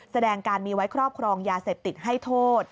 แสดงการมีไว้ครอบครองยาเสพติดให้โทษ